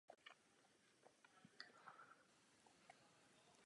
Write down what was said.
Hojně zde byly pořádány přednášky.